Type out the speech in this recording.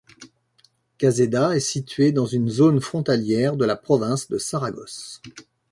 Caseda est situé dans une zone frontalière de la province de Saragosse.